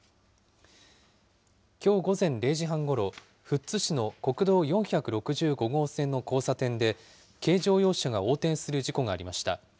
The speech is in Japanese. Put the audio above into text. きょう午前０時半ごろ、富津市の国道４６５号線の交差点で、軽乗用車が横転する事故がありました。